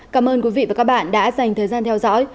cảm ơn quý vị và các bạn đã dành thời gian theo dõi